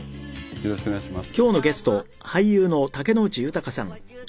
よろしくお願いします。